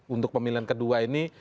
untuk pemilihan kedua ini